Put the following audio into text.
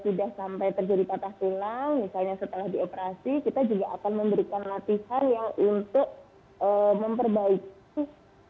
sudah sampai terjadi patah tulang misalnya setelah dioperasi kita juga akan memberikan latihan yang untuk memperbaiki